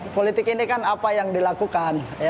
politik ini kan apa yang dilakukan